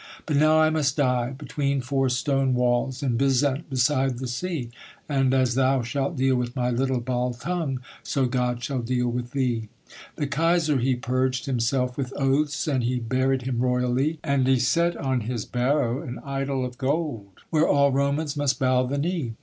'But now I must die between four stone walls In Byzant beside the sea: And as thou shalt deal with my little Baltung, So God shall deal with thee.' The Kaiser he purged himself with oaths, And he buried him royally, And he set on his barrow an idol of gold, Where all Romans must bow the knee.